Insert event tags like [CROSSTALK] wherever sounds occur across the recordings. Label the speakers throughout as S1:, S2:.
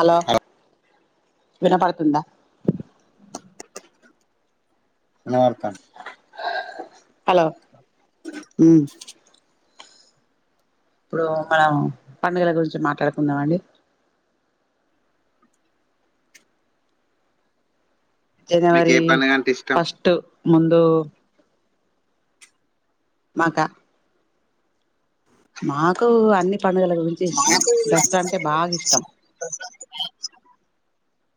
S1: Hello వినపడుతుందా
S2: వినపడుతంది
S1: hello ఉం ఇప్పుడు మనం పండుగల గురించి మాట్లాడుకుందామండి
S2: మీకు ఏ
S1: జనవరి
S2: పండుగ అంటే ఇష్టం
S1: ఫస్ట్ ముందు మాకా మాకు అన్ని పండుగల గురించి ఇష్టం దసరా అంటే బాగా ఇష్టం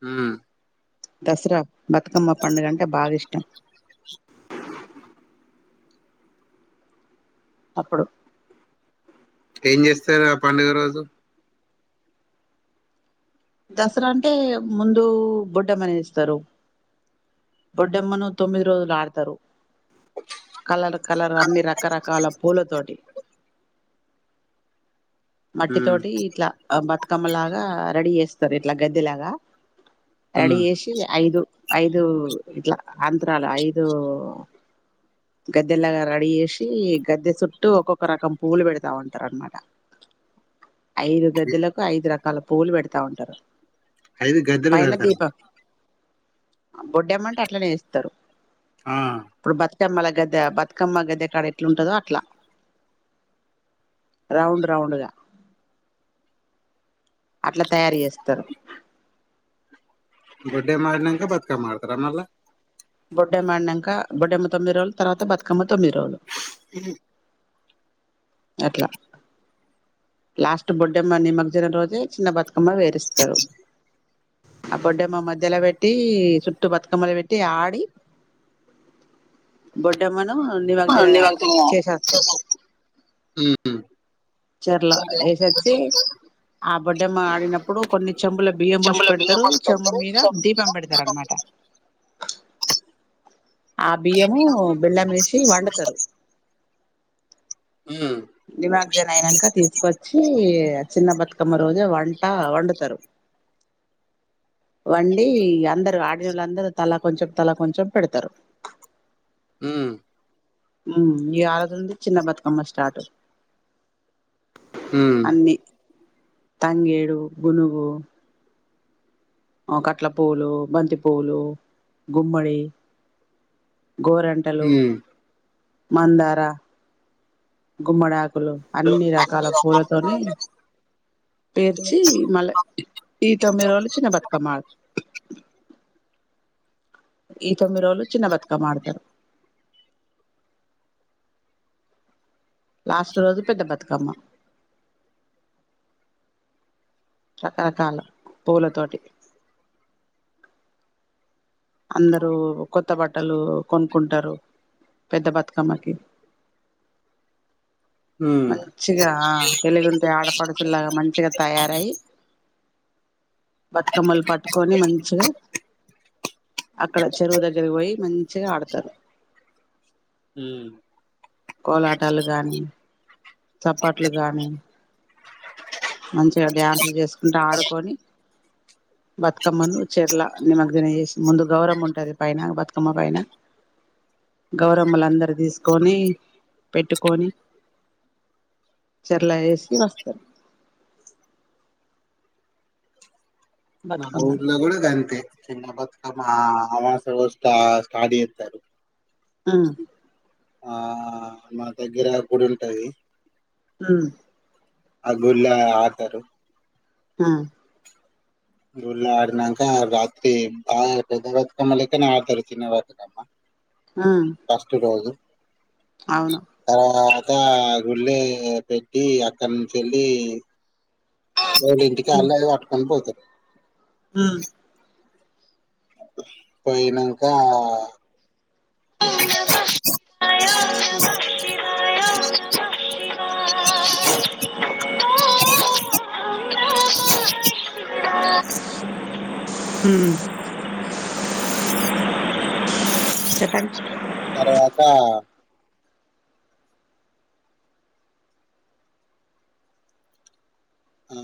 S2: ఆ
S1: దసరా బతుకమ్మ పండుగంటే బాగా ఇష్టం అప్పుడు
S2: ఏం చేస్తారు ఆ పండుగ రోజు
S1: దసరా అంటే ముందు బొడ్డమ్మని ఎస్తారు బొడ్డమ్మను తొమ్మిది రోజులు ఆడతారు కలర్ కలర్ అన్ని రకరకాల పూలతోటి మట్టి
S2: ఉమ్
S1: తోటి ఇట్లా బతుకమ్మలాగా రెడీ చేస్తారు ఇట్లా గద్దెలాగా రెడీ
S2: ఉమ్
S1: చేసి ఐదు ఐదు ఇట్లా అంత్రాలు ఐదు గద్దెలాగా రెడీ చేసి గద్దె చుట్టూ ఒక్కొక్క రకం పువ్వులు పెడతా ఉంటారు అనమాట ఐదు గద్దెలకు ఐదు రకాల పూవులు పెడతా ఉంటారు
S2: ఐదు గద్దలుగడతార
S1: బొడ్డమ్మ అంటే అట్లనే చేస్తారు
S2: ఆ
S1: ఇప్పుడు బతుకమ్మల గద్దె బతుకమ్మ గద్దె కాడ ఎట్లాంటందో అట్లా రౌండ్ రౌండ్ గా అట్లా తయారు చేస్తారు
S2: బొడ్డెమ్మ ఆడినంక బతుకమ్మ ఆడతార మల్ల
S1: బొడ్డమ్మ ఆడిన్నంక బొడ్డమ్మ తొమ్మిది రోజులు తర్వాత బతుకమ్మ తొమ్మిది రోజులు
S2: ఉం
S1: అట్లా లాస్ట్ బొడ్డమ్మ నిమర్జన రోజే చిన్న బతుకమ్మ వేరిస్తరు ఆ బొడ్డమ్మ మధ్యలో పెట్టి చుట్టూ బతుకమ్మలు పెట్టి ఆడి బొడ్డమ్మ ను ఆ నివర్జన చేసిస్తం
S2: హ్మ్
S1: చెర్ల ఎసచ్చి ఆ బొడ్డెమ్మ ఆడినప్పుడు కొన్ని చెంబుల బియ్యం పుసి
S2: చెంబుల బియ్యం
S1: పెడతారు
S2: పోసి
S1: చెంబు
S2: పెడతారు
S1: మీద దీపం పెడతారు అనమాట ఆ బియ్యము బెల్లమేసి వండుతారు
S2: ఉమ్
S1: నిమగ్జన అయినాక తీసుకొచ్చి చిన్న బతుకమ్మ రోజు వంట ట వండుతారు వండి అందరుూ ఆడినళ్ళందరు తల కొంచెం తల కొంచెం పెడతారు
S2: మ్మ్
S1: మ్మ్ ఈ ఆలది నుండి చిన్న బతుకమ్మ స్టార్ట్
S2: ఉమ్
S1: అన్నీ తంగేడు గులుగు ఆ కట్ల పూలు బంతిపూలు గుమ్మడి గోరంటలు
S2: ఉమ్
S1: మందారా గుమ్మడాకులు అన్ని రకాల పూలతోని పేర్చి మళ్ళా ఈ తొమ్మిది రోజులు చిన్న బతుకమ్మ ఆడ ఈ తొమ్మిది రోజులు చిన్న బతుకమ్మ ఆడతారు లాస్ట్ రోజు పెద్ద బతుకమ్మ రకరకాల పూలతోటి అందరూ కొత్త బట్టలు కొనుకుంటారు పెద్ద బతుకమ్మకి
S2: ఉమ్
S1: మంచిగా తెలుగింటి ఆడపడుచులాగా మంచిగా తయారయి బతుకమ్మలు పట్టుకొని మంచిగా అక్కడ చెరువు దగ్గర పోయి మంచిగా ఆడతారు
S2: ఉమ్
S1: కోలాటాలు గానీ చప్పట్లు గానీ మంచిగా డ్యాన్సులు చేసుకుంట ఆడుకొని బతుకమ్మను చరల నిమగ్గన చేసి ముందు గౌరమ్మ ఉంటది పైన బతుకమ్మ పైన గౌరమ్మలు అందరు తీసుకొని పెట్టుకొని చర్ల వేసి వస్తారు
S2: మా
S1: బతుకమ్మను
S2: ఊర్లో కూడా గంతే చిన్న బతుకమ్మ అమావాస్య రోజు స్టార్ట్ చేస్తారు
S1: మ్మ్
S2: ఆ మన దగ్గర గుడి ఉంటది
S1: మ్మ్
S2: అ గుల్లా ఆడాతారు
S1: ఆ
S2: గుఊళ్ళో ఆడినాక రాత్రి బాగ పెద్ద బతుకమ్మ లెక్కనే ఆడతరు చిన్న బతుకమ్మ
S1: ఉమ్
S2: ఫస్ట్ రోజు
S1: అవును
S2: తర్వాత్ తా గుళ్ళో పెట్టి అక్కడి నుంచెల్లి ఎళ ఇంటికి
S1: ఉమ్
S2: ఆళ్ళు అది పట్టుకని పోతరు
S1: ఉమ్
S2: పోయినంక
S1: హ్మ్ చెప్పండి
S2: తర్వాత ఆ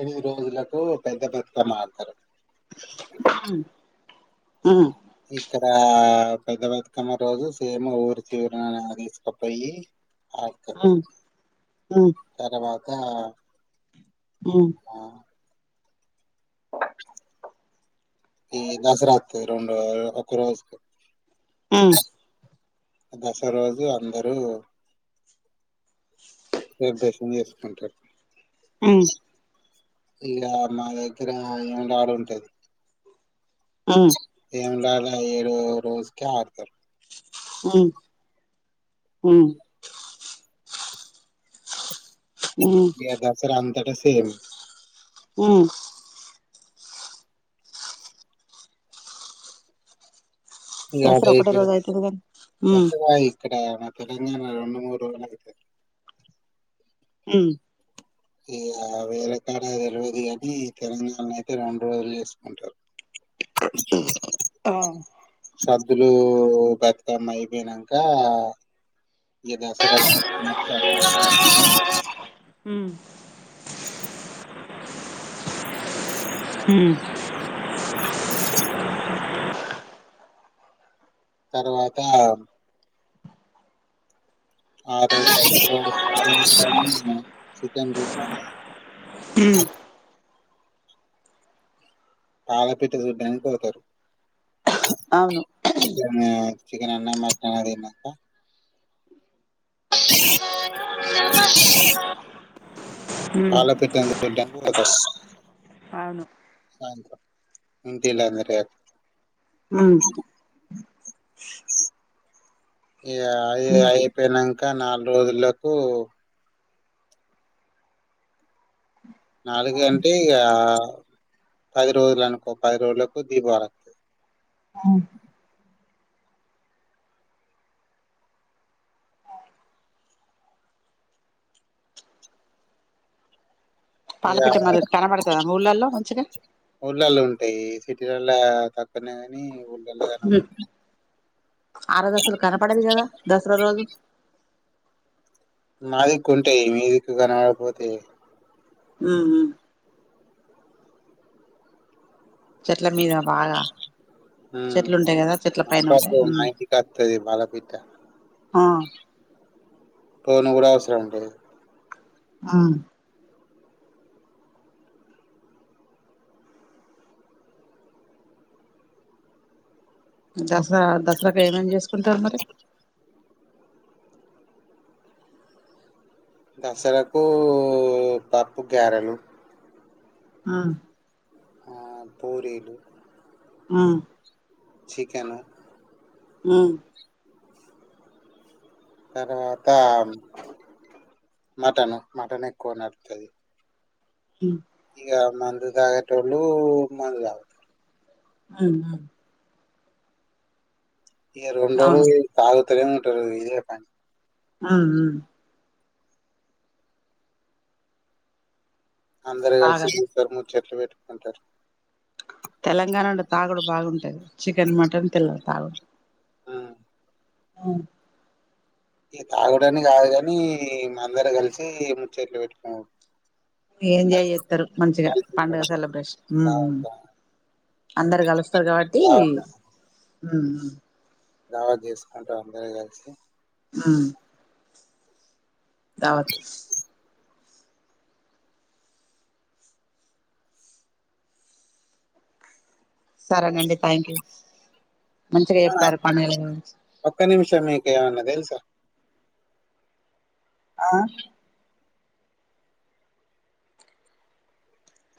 S2: ఎనిమిది రోజులకు పెద్ద బతుకమ్మ ఆడుతరు
S1: మ్మ్
S2: ఇక్కడ పెద్ద బతుకమ్మ రోజు సేమ్ ఊరి చివర తీసకుపోయి అరకు
S1: ఉమ్ ఉమ్
S2: తరువాత ఆ
S1: అ
S2: ఈ దసరకి రెండు ఒక రోజ
S1: ఆ
S2: దస రోజు అందరూ వభ్యాసంగా చేసుకుంటారు
S1: ఉమ్
S2: ఇలా మా దగ్గర ఏమ ఆడు ఉంటది
S1: ఆ
S2: ఏంలాల ఏడూ రోజుకే ఆడతారు
S1: హ్మ్ హ్మ్ ఉమ్
S2: లేదా దసరా సం
S1: ఉ
S2: ఇంకా
S1: దసరా ఒకటే
S2: ఆ
S1: రోజు అయితది కానీ ఉమ్
S2: దసరా ఇక్కడ తెలంగాణ లో రెండు మూడు రోజులు అయితది
S1: హ్మ్
S2: ఈ వేలకడ తెలియదు కాని తెలంగాణ అయితే రెండు రోజులు చేసుకుంటారు
S1: ఆ
S2: సద్దులు అమ్మ అయిపోయినాంక ఈ దసరా
S1: హమ్ అ
S2: తర్వాత ఆ రోజు చికెన్ కాళపిఠ చూడడానికి పోతారు
S1: అవును.
S2: చికెన్ అన్న మటన్ అన్న తిన్నాక
S1: ఉమ్
S2: పాల పిట్ట చూడటానికి పోతారు
S1: అవును
S2: సాయంత్రం ఇంతేలే అందర్ లేరు
S1: హ్మ్
S2: ఇ అ అయిపోయినాక నాలుగు రోజులకు నాలుగు అంటే ఇక పది రోజులు అనుకో పది రోజులకు దీపావళిస్తు ఇ
S1: పాలపిట్ట మరి కనబడతదా మీ ఊళ్ళల్లో మంచిగా
S2: ఊళ్ళళ ఉంటాయి కేరళ పక్కనే ఒళ్ళ క
S1: అరా దసరాలు కన పడేగ జద దసరా రోజు
S2: మాదిిక్కు ఉంటాయి మీ్యూదిిక్ కనవాలకపోతే
S1: హ్మ్ చెట్ల మీద బాగా
S2: ఉమ్
S1: చెట్లు ఉంటాయి కదా చెట్ల పైన ఉంటాయి
S2: అప్పుడప్పుడు మా ఇంటికి వత్తది బాలపిట్ట టోన్ కూడా అవసరం అండి
S1: ఆ మ్మ్ దసరాన దసరాకి ఏమేం చేసుక్ ఉంటార్ మరి
S2: దస్సరక్కూ తప్పు, గ్యారెలు
S1: ఆ
S2: ఆ మ్ పూరీలు
S1: ఆ
S2: చికెను
S1: మామ్
S2: తర్వాత్తామ్ మటను మటన్ ఎక్కువ నడుత్తది.
S1: మ్
S2: ఇగ మందు దాగేటోళ్లు మందు దాగుతారు
S1: హ్మ్
S2: ఇగ
S1: అవును
S2: రెండ్రోజులు తటరు ఇదే కాని
S1: ఆ
S2: అందర కలిసిరు
S1: బాగా
S2: [UNINTELLIGIBLE] చెట్లు పెట్టుకుంటారు
S1: తెలంగాణ అంటే తాగుడు బాగుంటది చికెన్ మటన్ తెల్లదు తాగుడు
S2: ఆ
S1: ఆ
S2: ఇ తాగడానికి కాదు కాని మా అందర కలిసి ముచ్చట్లు పెట్టుకు
S1: ఏంజాయ్ చేస్తారు మంచిగా పండుగ సెలబ్రేషన్ మ్ మ్
S2: దావత్
S1: అందరు కలుస్తారు కాబట్టి
S2: దావత్
S1: ఆ
S2: ఎవా చేసుకుంటా అందర కలిసి
S1: మ్ మ్ తవత్ సరేనండి థ్యాంక్ యూ మంచిగా చెప్పారు పనులు
S2: తెల్సా
S1: ఆ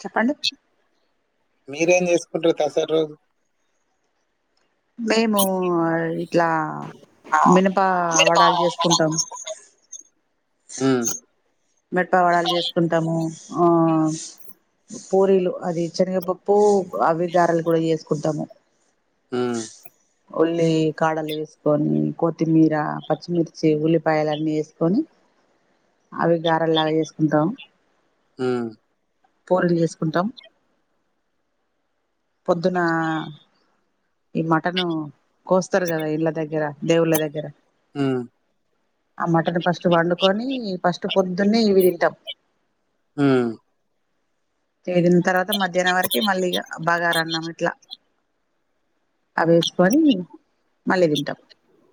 S1: చెప్పండి
S2: మీరేం చేసుకుంటారు తర్సాద్ రోజు
S1: మేము ఇట్లా మినప వడాలు చేసుకుంటాము
S2: హ
S1: మేటవలు చేసుకుంటాము ఆ పూరీలు అది చేనగపప్పు అవి గారెలు కూడా చేసుకుంటాము
S2: ఆ
S1: ఉల్లి కాడలు వేసుకొని కొత్తిమీర పచ్చిమిర్చి ఉల్లిపాయలు అన్నీ వేసుకొని అవి గారలాగా చేసుకుంటాం
S2: ఆ
S1: పూరీలు చేసుకుంటాం పొద్దున ఈ మటను కోస్తారు కదా ఇళ్ళ దగ్గర దేవుళ్ళ దగ్గర
S2: ఉమ్
S1: ఆ మటన్ ఫస్ట్ వండుకొని ఫస్ట్ పొద్దున్న ఇవి తింటాం
S2: ఉమ్
S1: తెగిన తర్వాత మధ్యాహ్నం వరకి మళ్ళీ బాగా రన్నాం ఇట్లా అవి వేస్ కని మళ్ళీ తింటాం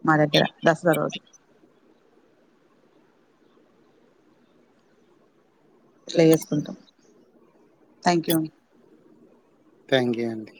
S1: మా దగ్గర దసరా రోజు ఎట్ల చేసుకుంటాం థ్యాంక్ యూ
S2: థ్యాంక్ యూ అండి